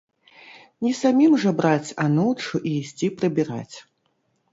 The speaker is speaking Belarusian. Не самім жа браць анучу і ісці прыбіраць!